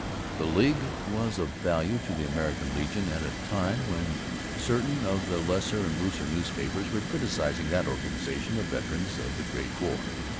The League was of value to the American Legion at a time when certain of the lesser and looser newspapers were criticizing that organization of veterans of the Great War.